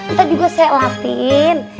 ntar juga saya latihin